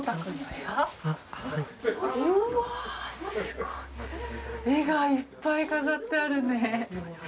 絵がいっぱい飾ってあるね。